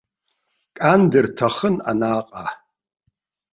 Кан дырҭахын анаҟа.